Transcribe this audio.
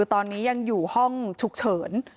ตอนนี้ยังอยู่ห้องฉุกเฉิน